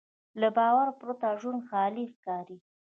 له باور پرته ژوند خالي ښکاري.